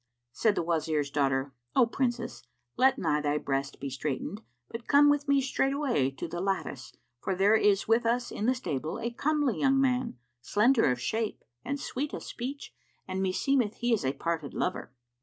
Said the Wazir's daughter, "O Princess, let not thy breast be straitened, but come with me straightway to the lattice; for there is with us in the stable[FN#556] a comely young man, slender of shape and sweet of speech, and meseemeth he is a parted lover."